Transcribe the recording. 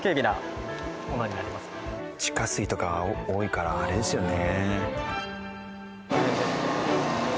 地下水とか多いからあれですよね。